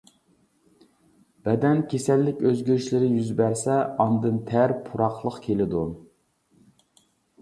بەدەن كېسەللىك ئۆزگىرىشلىرى يۈز بەرسە، ئاندىن تەر پۇراقلىق كېلىدۇ.